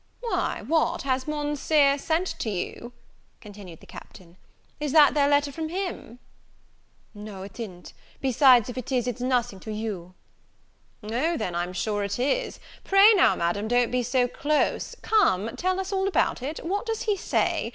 "Why, what, has Monseer sent to you?" continued the Captain: "is that there letter from him?" "No, it i'n't; besides, if it is, it's nothing to you." "O then, I'm sure it is! Pray now, Madam, don't be so close; come tell us all about it what does he say?